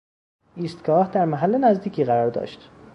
ایستگاه در محل نزدیکی قرار داشت.